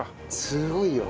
すごいよ。